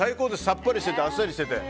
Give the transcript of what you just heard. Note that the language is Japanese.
さっぱりしてて、あっさりしてて。